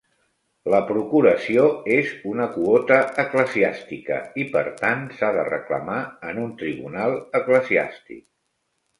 La procuració és una quota eclesiàstica i, per tant, s'ha de reclamar en un tribunal eclesiàstic.